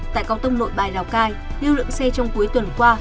tại cao tốc nội bài lào cai lưu lượng xe trong cuối tuần qua